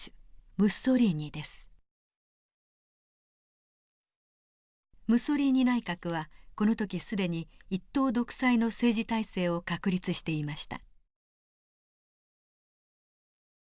ムッソリーニ内閣はこの時既に一党独裁の政治体制を確立していました。